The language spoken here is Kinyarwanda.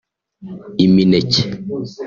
Imineke